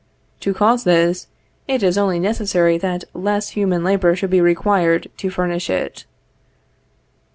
To cause this, it is only necessary that less human labor should be required to furnish it.